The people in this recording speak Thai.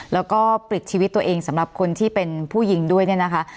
แล้วก็ปลิดชีวิตตัวเองสำหรับคนที่เป็นผู้หญิงด้วยเนี่ยนะคะ